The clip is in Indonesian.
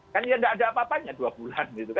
kan ya tidak ada apa apanya dua bulan